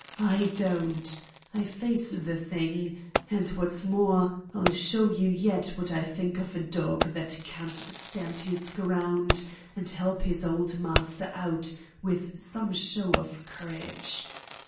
I don't. I face the thing, and what's more, I'll show you yet what I think of a dog that can't stand his ground and help his old master out with some show of courage.